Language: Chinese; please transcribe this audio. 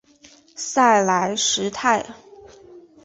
塞莱什泰。